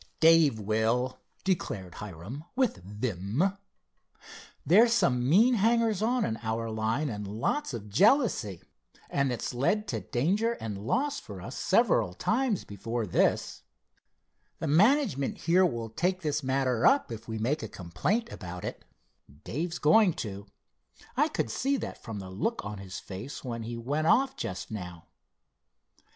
"Dave will," declared Hiram with vim. "There's some mean hangers on in our line, and lots of jealousy, and it's led to danger and loss for us several times before this. The management here will take this matter up, if we make a complaint about it. Dave's going to. I could see that from the look on his face when he went off just now.